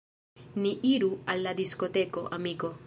Ni iru al la diskoteko, amiko!